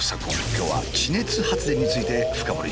今日は地熱発電について深掘りしていきます。